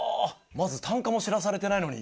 まず単価も知らされてないのに。